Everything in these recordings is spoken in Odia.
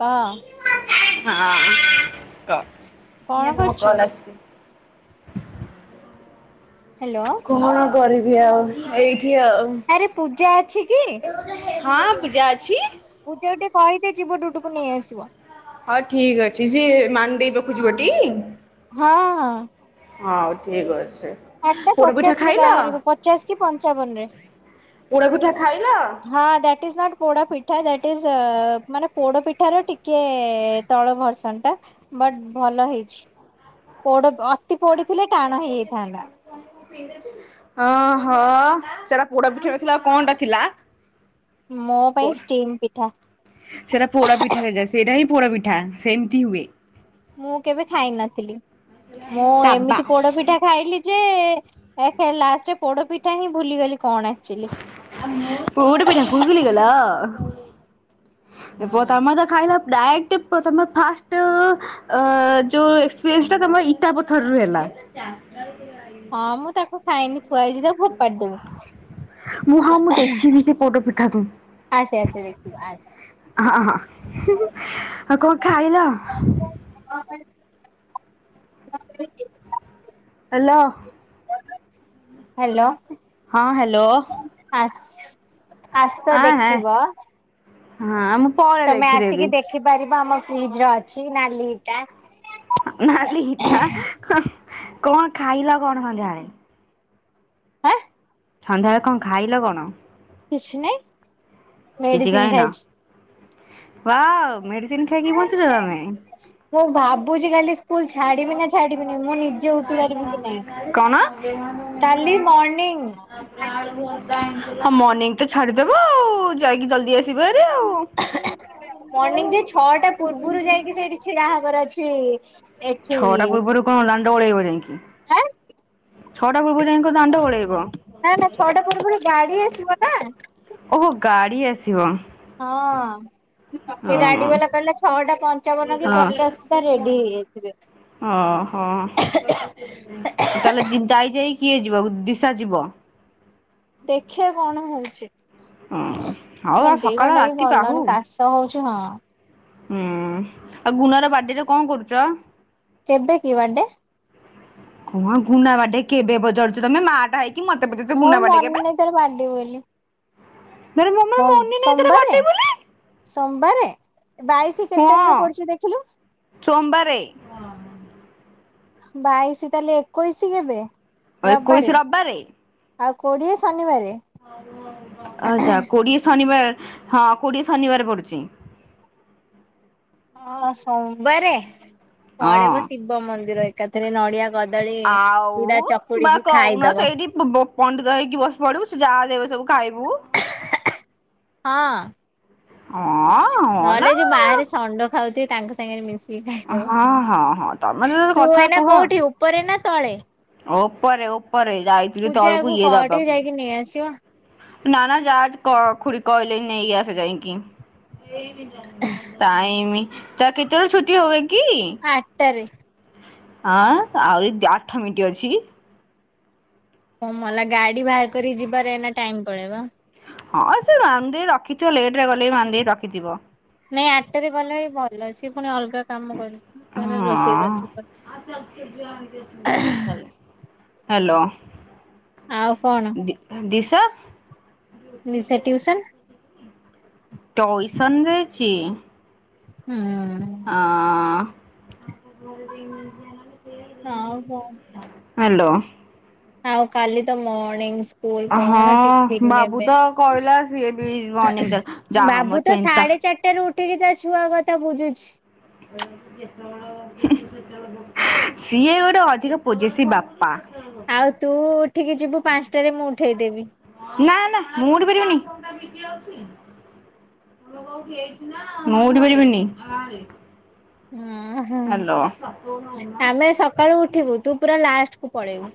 କହ ହଁ, କ। କଣ ନିଅ ତମ କରୁଛୁ? କଲ୍ ଆସିଛି? ହ୍ୟାଲୋ। କଣ କରିବି ଆଉ, ଏଇଠି ଆଉ। ଆରେ ପୂଜା ଅଛି କି? ହଁ, ପୂଜା ଅଛି। ପୂଜା କୁ ଟିକେ କହିଦେ, ଯିବ ଡୁଡୁକୁ ନେଇ ଆସିବ। ହଁ, ଠିକ୍ ଅଛି। ସିଏ ମାନ୍ ଦେଇ ପାଖକୁ ଯିବଟି! ହଁ, ହଁ। ହଁଉ ଠିକ୍ ଅଛ। ଆଠଟା ପଚାଶ ରେ ବାହାରିବ। ପଚାଶ କି ପଞ୍ଚାବନ ରେ ଗୁଥା ଖାଇଲ? ହଁ, that is not poda pitha, that ଇଜ୍-ଅ ମାନେ ପୋଡ ପିଠା ର ଟିକେ ତଳ ଭର୍ସନ ଟା। ବଟ୍ ଭଲ ହେଇଛି। ପୋଡ ଅତି ପୋଡି ଥିଲେ, ଟାଣ ହେଇଆଇଥାନ୍ତା। ଅଁ ହଁ-ଅ, ସେଟା ପୋଡ ପିଠା ନଥିଲା, ଆଉ କଣଟା ଥିଲା? ମୋ ପାଇଁ ଷ୍ଟିମ୍ ପିଠା। ସେଇଟା ପୋଡାପିଠାରେ ଯାଏ, ସେଇଟା ହିଁ ପୋଡାପିଠା ସେମିତି ହୁଏ। ମୁଁ କେବେ ଖାଇ ନଥିଲି। ମୁଁ ଏମିତି ସାବାସ୍ ପୋଡପିଠା ଖାଇଲି ଯେ-ଏହେ ଲାଷ୍ଟରେ ପୋଡପିଠା ହିଁ, ଭୁଲିଗଲି କଣ ଆକ୍ଚୁଲି? ପୁଡ୍ ପିଠା କୁ ଭୁଗୁଲିଗଲ। ପ ହୁଁ। ତମେତ ଖାଇନ, ଡାଇକ୍ଟେ ତମେ ଫାସ୍ଟୁ ଅ- ଯୋଉ ଏକ୍ପିରିଏନ୍ସଟା, ଇଟା ପଥର ରୁ ହେଲା। ହଁ, ମୁଁ ତାକୁ ଖାଇନି, ଥୁଆଇଛି ତାକୁ। ଫୋପାଡି ଦେବି ମୁଁ, ହଁ ମୁଁ, ଦେଖିନି ସେ ପୋଡ ପିଠାକୁ। ଆସେ ଆସେ ଦେଖିବୁ ଆସ। ହଁ ହଁ, ଆ କଣ ଖାଇଲ? [inaudible] [inaudible] ହାଲୋ। ହ୍ୟାଲୋ। ହଁ ହ୍ୟାଲୋ। ଆ ଆସ ହଁ ହଁ ଦେଖିବ। ହଁ ମୁଁ ତମେ ଦେଖିଦେବି ଆସିକି ଦେଖିପାରିବ ଆମ ଫ୍ରିଜ ର ଅଛି ନା ଲିଟା। ନାଲି ଇଟା କଣ ଖାଇଲ କଣ ସନ୍ଧ୍ୟା ବେଳେ? ହାଁ ସନ୍ଧ୍ୟାଏଳେ କଣ ଖାଇଲ କଣ? କିଛି ନାଇ। କିଛି ଖାଇନ ୱାଓ ମେଡିସିନ ଖାଇକି ବଞ୍ଚୁଛ ତମେ। ମୁଁ ଭାବୁଛି ଖାଲି ସ୍କୁଲ ଛାଡିବି ନା ଛାଡିବିନି ମୁଁ ନିଜେ ଉଠି ପାରିବି କି ନାଇଁ। କାଲି ମର୍ଣିିଂ। ହଁ ମର୍ଣିିଂ ତ ଛାଡିଦବ ଆଉ ଯାଇକି ଜଲଦି ଆସିବେରି ଆଉ। ମର୍ଣିିଂ ଯେ ଛଅଟା ପୂର୍ବରୁ ଯାଇକି ସେଇଠି ଛିଡା ହବାର ଅଛି। ଏଠି ଛଅଟା ପୂର୍ବରୁ କଣ ଦାଣ୍ଡ ଓଳେଇବ ଯାଇଁକି। ଆଁ ଛଅଟା ପୁର୍ବ ରୁ ଯାଇଙ୍କି କଁ ଦାଣ୍ଡ ଓ। ନା ନା ଛଅଟା ପୁର୍ବୁ ରୁ ଗାଡି ଆସିବ ନା। ଓହୋ ଗାଡି ଆସିବ। ହଁ ସେ ହଁ। ଗାଡି ବଲା କହିଲା ଛଅଟା ପଞ୍ଚ ହଁ ପଞ୍ଚାବନ କି ପଚାଶ ଟା ରେଡି ହେଇଯାଇଥିବେ। ଓହୋ ତାହେଲେ ଯାଇ ଯାଇ କିଏ ଯିବ ଦିଶା ଯିବ। ଦେଖିଆ କଣ ହଉଛି। ହୁଁ ହଉ ମୋ ଆଉ ଦେହ ସକାଳ ଟା ବି ରାତି ପାହୁ ଭଲଲାଗୁନି କାଶ ହଉଛିି ହଁ। ହୁଁ ଆଉ ଗୁଣ ର ବାଡେ ରେ କଁ କରୁଛ? କେବେ କି ବାଡେ? କଣ ଗୁନା ବାଟେ କେବେ ପଚାରୁଛ ତମେ ମା ହେଇକି ମତେ ପଚାରୁଚ ମୋର ଗୁନା ବାଡେ ମନେ କେବେ? ନାହିଁ ତାର ବାଡେ ବୋଲି। ମର ମମ ମଙ୍ଗ ମନେ ନାଇଁ ତା ର ସୋମବାରେ ବାଡେ ବୋଲି। ସୋମବାରେ ବାଇଶ ହଁ ସୋମବାରେ। ବାଇଶି ତାଲେ ଏକୋଇଶି କେବେ ରବିବାରେ। ଆଉ କୋଡିଏ ଶନିବାର। ଆଚା କୋଡିଏ ଶନିବାର ହଁ କୋଡିଏ ଶନିବାର ପଡୁଛି। ହଁ ସୋମବାରେ ହଁ। ପଳେଇବ ଶିବ ମନ୍ଦିର ଏକାଥରେ ନଡିଆ କଦଳୀ ଚୁଡା ଚକୁଡି କି ଖାଇଦବ। ବ ପଣ୍ଡିତ ହେଇକି ବସି ପଡିବୁ, ସେ ଯାହା ଦେବେ ସବୁ ଖାଇବୁ। ହଁ ହଁ ହଁ ନା ନହେଲେ ଯୋଉ ବାହାରେ ଷଣ୍ଡ ଖାଉଥିବେ ତାଙ୍କ ସାଙ୍ଗରେ ମିଶି କି ହଁ ହଁ ହଁ ତମେ ଖାଇଦବ, ତ ତୁ କଥା ଏନା କୋଉଠି ଉପରେ ନା ତଳେ? ଓପରେ ଓପରେ ଯାଇଥିଲି ତଳକୁ ଇଏ ଦବାକୁ। କି ନେଇ ଆସିବ? ନା ନା ଯାହା କ ଖୁଡି କହିଲେ ନେଇ ଆସେ ଯାଇକି। ଟାଇମ ତା କେତେବେଳେ ଛୁଟି ହୁଏ କି? ଆଟ ଟାରେ। ଆଁ ଆହୁରି ଆଠମିଟି ଅଛି। ଓଁ ମଲା ଗାଡି ବାହାର କରି ଯିବାରେ ଏନା ଟାଇମ ପଳେଇ ବ। ହଁ ସେ ମାନ୍ ଦେଇ ରଖିଥିବ ଲେଟ ରେ ଗଲେ ବି ମାନ୍ ଦେଇ ରଖିଥିବ। ନାଇଁ ଆଟଟାରେ ଗଲେ ବି ଭଲ, ସେ ପୁଣି ଅଲଗା କାମ କରିବ। ତାର ରୋଷେଇ ହଁ। ବାସ କରେ ହ୍ୟାଲୋ ଆଉ କଣ ଦି ଦିଶା। ନିଶା ଟିୟୁସନ୍ ଟଇସନ ଯାଇଛି। ହୁଁ। ହଁ। ହଁ ବ ହ୍ୟାଲୋ। ଆଉ କାଲି ତ ମଣିଂଶ୍ ସ୍କୁଲ କଣ ଟିଫିନ୍ ହଁ ବାବୁ ନେବେ ତ କହିଲା ସିଏ ବି ମର୍ଣ୍ଣିଂ ତା ଯାହା ହଉ ମୋ ବାବୁ ତ ଚେନ୍ତା। ଶାଢେ ଚାରି ଟାରୁ ଉଠିକି ତା ଛୁଆ କଥା ବୁଝୁଛି। [unintelligible] ସିଏ ଗୋଟେ ଅଧିକ ପୋଜିସି ବାପା। ଆଉ ତୁ ଉଠିକି ଯିବୁ ପାଂସ୍ ଟାରେ ମୁଁ ଉଠେଇଦେବି। ନା ନା ମୁଁ ଉଠି ପାରିବିନି। ମୁଁ ଉଠି ପାରିବିନି। ଓଁ ହଁ ହ୍ୟାଲୋ। ଆମେ ସକାଳୁ ଉଠିବୁ ତୁ ପୁରା ଲାଷ୍ଟକୁୁ ପଳେଇବୁ।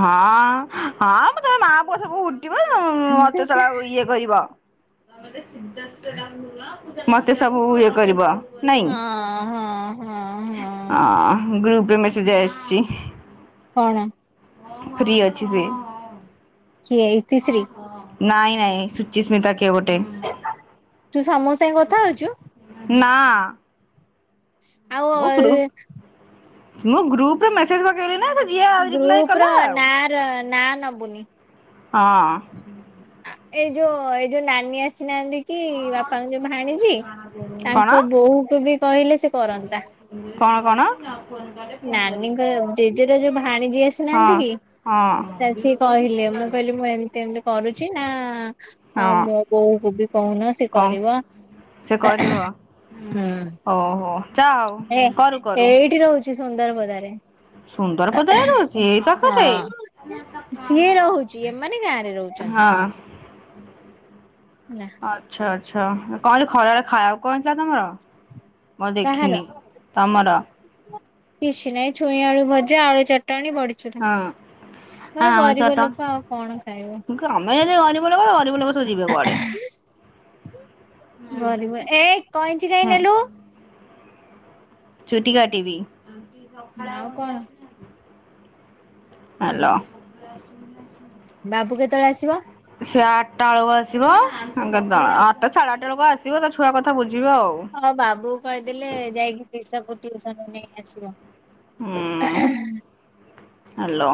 ହଁ ହଁ ବ ତମେ ମା ପୁଅ ସବୁ ଉଠିବ ମତେ ସଳା କ ଇଏ କରିବ ମତେ ସବୁ ଇଏ କରିବ। ନାଇଁ ହଁ ହଁ ହଁ ହଁ ଅ ଗ୍ରୁପରେ ମେସେଜ ଆସିଛି। କଣ। ଫ୍ରି ଅଛି ସିଏ। କିଏ ଇତିଶ୍ରୀ? ନାଇଁ ନାଇଁ ସୁଚିସ୍ମିତା କିଏ ଗୋଟେ। ତୁ ସମୁ ସାଙ୍ଗେ କଥା ହଉଛୁ। ନା। [inaudible] ମୁଁ ଗ୍ରୁପ ମୁଁ ଗ୍ରୁପ ରେ ମେସେଜ ପକେଇଲି ନା ଯିଏ ରିପ୍ଲାଏ କଲା ଆଉ। ଯ ନାଁ ନବୁନି। ହଁ। ଏଇ ଯୋଉ ଏଇ ଯୋଉ ନାନୀ ଆସିନାହାନ୍ତି କି ବାପାଙ୍କ ଯୋଉ ଭାଣିଜି କଣ? ତାଙ୍କ ବୋହୂକୁ ବି କହିଲେ ସେ କରନ୍ତା। କଣ କଣ। ନାନୀଙ୍କ ଜେଜେର ଯୋଉ ଭାଣୀଯି ଆସିନାହାନ୍ତି ହଁ କି ହଁ। ତାଲେ ସିଏ କହିଲେ ମୁଁ କହିଲି ମୁଁ ଏମିତି ଏମିତି କରୁଛି ନା ହଁ ମୋ ବୋଉ କୁ ବି କହୁନ ସେ କଣ କରିବ। ସେ କରିବ ହୁଁ। ଓହୋ ଯା ଚା ଉ କରୁ କରୁ। ସୁନ୍ଦର ପଦାରେ। ସୁନ୍ଦର ପଦାରେ ରୋହୁଛି ଏଇ ପାଖରେ। ହଁ। ସିଏ ରହୁଛି ଏମାନେ ଗାଁ ରେ ରହୁଛନ୍ତି ହଁ। ନା। ଅଛ ଅଛ କଣ ଖରାଳେ ଖାଇବାକୁ କଣ ହେଥିଲା ତମର। ମୁଁ ଆ କାହାର? ଦେଖିନି ତମର। କିଛି ନହିଁ ଛୁଇଁ ଆଳୁ ଭଜା ଆଳୁ ଚଟଣି ବଢି ହଁ। ହାଁ ମ ଚଟ ଲୋକ ଆଉ କଣ ଖାଇବ ମୁଁ କ ତମେ ଯଦି ଗରିବ ଲୋକ ଗରିବ ଲୋକ ସବୁ ଯିବେ କୁଆଡେ। ଗରିବ ଏ କ ଇ ହଁ। ଛୁଟି କାଟିବି ଆଉ କଣ ହାଲୋ। ବାବୁ କେତେବେଳେ ଆସିବ। ସେ ଆଠଟା ଆଳକୁ ଆସିବ। [unintelligible] ଆଠଟା ସାଢେ ଆଠଟା ବେଳକୁ ଆସିବ ତା ଛୁଆ କଥା ବୁଝିବ ଆଉ। ଅ ବାବୁକୁ କହିଦେଲେ ଯାଇକି ତ୍ରିସାକୁୁ ଟିଉସନରୁ ନେଇ ଆସିବ। ହୁଁ ହାଲୋ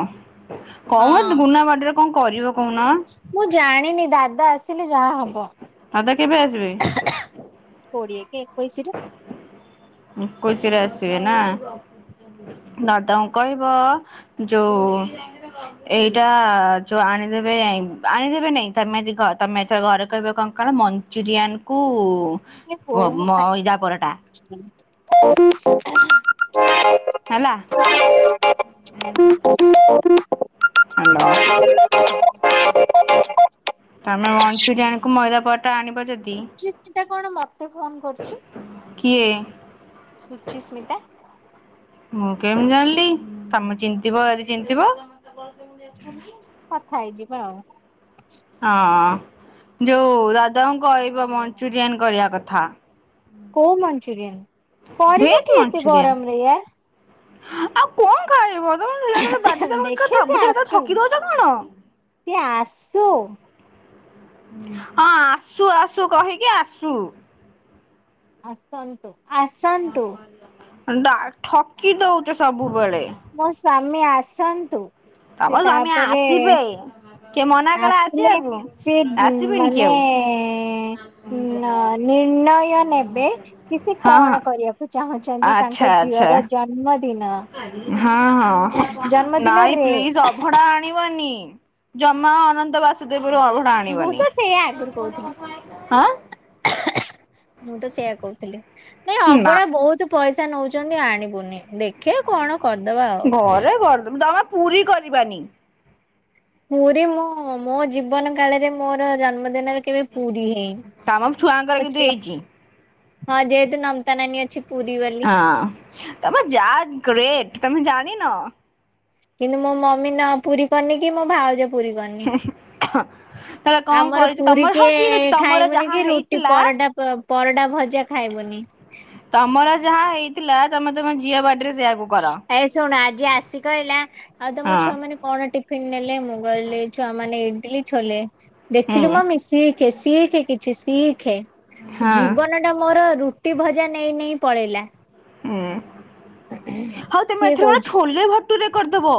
କହନ ହଁ ଗୁନା ବାଡିରେ କଣ କରିବ କହୁନ? ମୁଁ ଜାଣିନି ଦାଦା ଆସିଲେ ଯାହା ହବ। ଦାଦା କେବେ ଆସିବେ? କୋଡିଏ କି ଏକୋଇଶିରୁ। ଏକୋଇଶି ରେ ଆସିବେ ନା? ଦାଦାଙ୍କୁ କହିବ ଯୋଉ ଏଇଟା ଯୋଉ ଆଣିଦେବେ ଆଣିଦେବେ ନାଇଁ ତମେ ଯିକ ତମେ ଏଥର ଘରେ କହିବ କଣ ସକାଳେ ମଞ୍ଚୁରିଆନ୍ କୁ ମଇଦା ପରଟା [unintelligible] ହେଲା। [unintelligible] ହାଲୋ। ତମେ ମଞ୍ଚୁରିଆନ କୁ ମଇଦା ପରଟା ଆଣିବ ଯଦି ସୁଚିସ୍ମିତା କଣ ମତେ ଫୋନ କରୁଛି? କିଏ? ସୁଚିସ୍ମିତା। ମୁଁ କେମିତି ଜାଣିଲି ତମେ ଚିହ୍ନିଥିବ ଯଦି ଚିହ୍ନିଥିବ। [unintelligible] କଥା ହେଇଯିବ ଆଉ। ହଁ ଯୋଉ ଦାଦାଙ୍କୁ କହିବ ମଞ୍ଚୁରିଆନ କରିବା କଥା। କୋଉ ମଞ୍ଚୁରିୟାନ କରିବ ଭେଜ କିଏ ଏତେ ମଞ୍ଚୁରିଆନ ଗରମରେ ୟାର? ଆଉ କଣ ଖାଇବ ତମ ଝିଅ ର ବାଡେ ୟାର। ଦବା ଦେଖେ କଥା ସେ ସବୁଥିରେ ଆସୁ। ଠକି ଦଉଛ କଣ? ସିଏ ଆସୁ। ହଁ ଆସୁ ଆସୁ କହିକି ଆସୁ। ଆସନ୍ତୁ ଆସନ୍ତୁ। ଡା ଠକି ଦଉଛ ସବୁବେଳେ। ମୋ ସ୍ଵାମୀ ଆସନ୍ତୁ ତମ ସେ ସ୍ୱାମୀ ତାପରେ ଆସିବେ କିଏ ମନା କଲା ଆସିଲେ ଆସିବାକୁ? ସେ ଗ୍ ଆସିବେନି କି ମାନେ ଆଉ ନେ ନିର୍ଣ୍ଣୟ ନେବେ କି ସେ ହଁ ହଁ କଣ କରିବାପାଇଁ ସେ ଚାହୁଁଛନ୍ତି ଆଚ୍ଛା ତାଙ୍କ ଆଚ୍ଛା। ଝିଅର ଜନ୍ମ ଦିନ ହଁ ହଁ ନାଇଁ ଜନ୍ମଦିନରେ ପ୍ଲିଜ ଅବ ଅବଢ଼ା ଆଣିବନି ଜମା ଅନନ୍ତ ବାସୁଦେବରୁ ଆଉ ମୁଁ ତ ଆଣୀବନି ସେଇଆ ଆଗରୁ କହୁଥିଲି ହଁ। ମୁଁ ତ ସେଇଆ କହୁଥିଲି। ନାଇ ନା ଅବଢ଼ା ବହୁତୁ ପଇସା ନଉଛନ୍ତି ଆଣିବୁନି। ଦେଖେ କଣ କରିଦବା। ଆଉ। ଘରେ କରଦମ ଜମା ପୁରୀ କରିବାନି। ପୁରୀ ମୁଁ ମୋ ଜୀବନ କାଳରେ ମୋର ଜନ୍ମଦିନରେ କେବେ ପୁରୀ ହେଇନି। ତମ ଛୁଆଙ୍କର କିନ୍ତୁ ହେଇଛି। ହଁ ଯେହେତୁ ନମତା ନାନୀ ଅଛି ପୁରୀ ବାଲି। ହଁ ତମର ଯା ଗ୍ରେଟ ତମେ ଜାଣିନ। କିନ୍ତୁ ମୋ ମମି ନ ପୁରୀ କରିନିକି ମୋ ଭାଉଜ ପୂରି କରିନି। ତାହେଲେ କଣ ଆମର କରିଛ ପୁରି ତମର ହଉ କିଏ ଠିକ ଅଛି ତମର ଯାହା ଖାଇବୁନିକି ରୁଟି ହେଇଥିଲା ପରଟା ର ପରଟା ଭଜା ଖାଇବୁନି। ତମର ଯାହା ହେଇଥିଲା ତମେ ତମ ଝିଅ ବାଡେରେ ସେଇଆକୁ କର ଏ ଶୁଣ ଆଜି ଆସି କହିଲା ଆଉ ତମ ହଁ ଛୁଆ ମାନେ କଣ ଟିଫିନ ନେଲେ? ମୁଁ କହିଲି ଛୁଆମାନେ ଇଟିଲି ଛୋଲେ। ଦେଖିଲୁ ମମି ହୁଁ ସିଏ ଶିଖେ ଶିଖେ କିଛି ଶିଖେ ହଁ ଜୀବନ ଟା ମୋର ରୁଟି ଭଜା ନେଇ ନେଇ ପଳେଇଲା ହୁଁ ହଉ ତମେ ସିଏ ଏଥର କହୁଛି। ଛୋଲେ ଭଟୁରେ କରିଦବ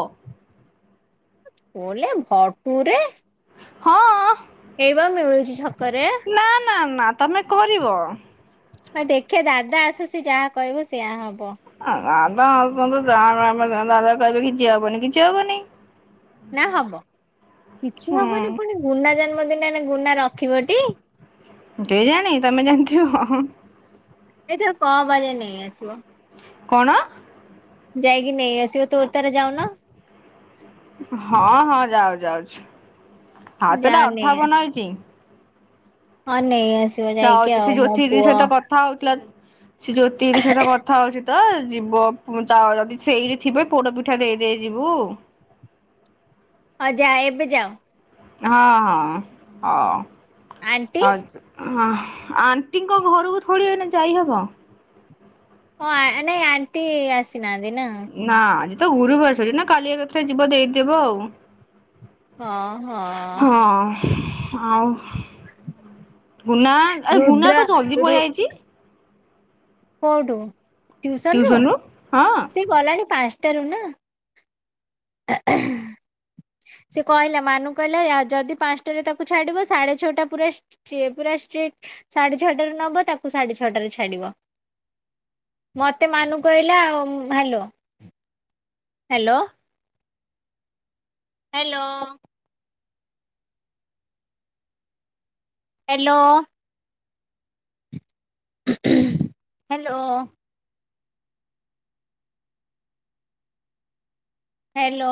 କହଲେ ଭଟୁରେ ହଁ ଏଇ ବା ମିଳୁଛି ଛକରେ ନା ନା ନା ତମେ କରିବ ହଁ ଦେଖେ ଦାଦା ଆସୁଛି ଯାହା କହିବୁ ସେଆ ହବ ଆ ରାଧା ଆସନ୍ତୁ ଯାହା ଆମେ ଦାଧା କହିବେ କିଛି ହବନି କିଛି ହବନି ନା ହବ କିଛି ହବନି ହୁଁ ପୁଣି ଗୁନା ଜନ୍ମଦିନ ହେ ଗୁନା ରଖିବଟି କେ ଜାଣି ତମେ ଜାଣିଥିବ। ହ ହ ଏଇଥିରେ କ ବା ଯେ ନେଇ ଆସିବ କଣ? ଯାଇ କିି ନେଇଁ ଆସବୁ ତୋରତାର ଯାଉନ ହଁ ହଁ ଯାଉ ଯାଉଛି ଯା ହାତଟା ନେଇ ଆସ। ଅଠାବନ ହେଇଛି ହଁ ନେଇ ଆଶିବ ଯାଇକି ଯାଉଛି ସେ ଆଉ ମୋ ଜ୍ୟୋତି ଦିଦି ପୁଅ ସହିତ କଥା ହଉଥିଲା ସେ ଜ୍ୟୋତିଦି ସହିତ କଥା ହଉଚି ତ ଯିବ ଚାଉଳ ଯଦି ସେଇଠୀ ଥିବେ ପୋଡ଼ ପିଠା ଦେଇ ଦେଇେ ଯିବୁ ହ ଯାଆ ଏବେ ଯାଅ ହଁ ହଁ ହଁ ଆଣ୍ଟି ଆ ଅ ଆଣ୍ଟିଙ୍କ ଘରକୁ ଥଳିଏଇନ ଯାଇହବ ହଁ ଆ ନାଇଁ ଆଣ୍ଟି ଆସିନାହାନ୍ତି ନା ନା ଆଜି ତ ଗୁରୁବାରସଛି ନା କାଲିଆ କଥରେ ଯିବ ଦେଇଦବ ଆଉ ହଁ ହଁ ହଁ ଆଉ ଗୁନା ଆ ରୁଦ୍ର ଗୁନା କ ଜଲ୍ଦି ରୁ ପଳିଆ ଆଇଛି କୋଉଠୁ ଟିଉସନ ରୁ ଟିଉସନରୁ ହଁ। ସେ ଗଲାଣି ପାଞ୍ଚଟା ରୁ ନା ହ [unintelligible] ସେ କହିଲା ମାନୁ କହିଲା ୟା ଯଦି ପାଞ୍ଚଟାରେ ତାକୁ ଛାଡିବ ସାଢେ ଛଅଟା ପୁରା ପୁରା ଷ୍ଟ୍ରେଟି ସାଢେ ଛଅଟାରେ ନେବ ତାକୁ ସାଢେ ଛଅଟାରେ ଛାଡିବ ମତେ ମାନୁ କହିଲା ଆଉ hello hello hello hello hello hello